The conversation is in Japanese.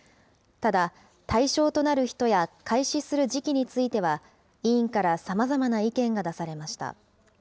ただ対象となる人や開始する時期については委員からさまざまな意見が出されました。